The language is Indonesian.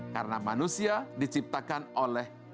karena manusia diciptakan oleh